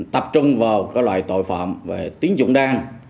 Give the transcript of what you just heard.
tập trung vào các loại tội phạm về tín dụng đen